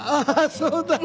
そうだな。